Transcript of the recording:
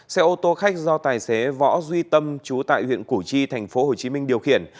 xe ô tô khách do tài xế võ duy tâm trú tại huyện củ chi thành phố hồ chí minh điều khiển